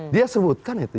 dia sebutkan itu